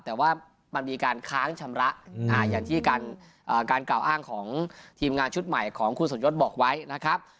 แต่ว่ามันมีการค้างชำระอย่างที่การกล่าวอ้างของทีมงานชุดใหม่ของคุณสมยศบอกไว้นะครับ